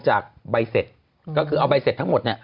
จากใบเสร็จก็คือเอาใบเสร็จทั้งหมดเนี่ย